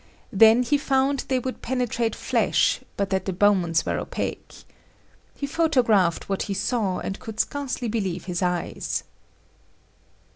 Then he found they would penetrate flesh but that the bones were opaque. He photographed what he saw and could scarcely believe his eyes.